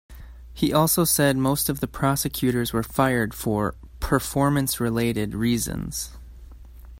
He also said most of the prosecutors were fired for "performance-related" reasons.